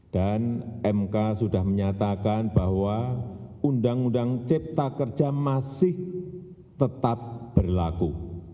dan mk sudah menyatakan bahwa undang undang cipta kerja masih tetap berlaku